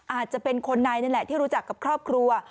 อาจจะเป็นคนในนี่แหละที่รู้จักกับครอบครัว